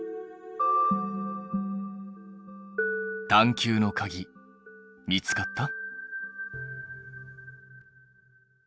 探究のかぎ見つかった？